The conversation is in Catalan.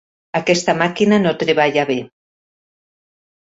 Aquesta màquina no treballa bé.